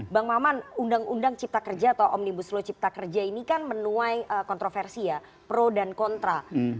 bang maman undang undang cipta kerja atau omnibus law cipta kerja ini kan menuai kontroversi ya pro dan kontra